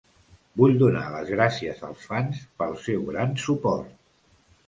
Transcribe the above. Vull donar les gràcies als fans pel seu gran suport.